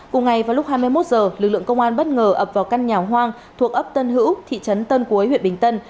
cùng ngày vào lúc hai mươi một h lực lượng công an bất ngờ ập vào căn nhà hoang thuộc ấp tân hữu thị trấn tân cuối huyện bình tân